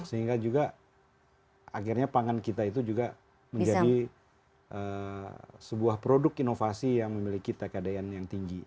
sehingga juga akhirnya pangan kita itu juga menjadi sebuah produk inovasi yang memiliki tkdn yang tinggi